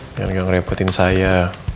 jangan gak ngerepotin saya